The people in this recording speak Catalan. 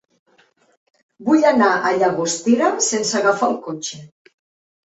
Vull anar a Llagostera sense agafar el cotxe.